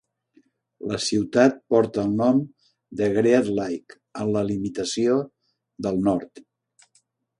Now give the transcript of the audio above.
La ciutat porta el nom de Great Lake en la limitació del nord.